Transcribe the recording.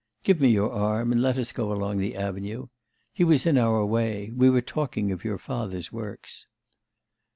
Give me your arm, and let us go along the avenue. He was in our way. We were talking of your father's works.